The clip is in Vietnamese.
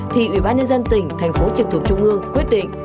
thì ủy ban nhân dân tỉnh thành phố trực thuộc trung ương quyết định